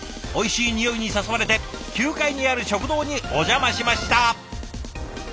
おいしい匂いに誘われて９階にある食堂にお邪魔しました。